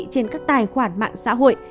trên các tài khoản mạng xã hội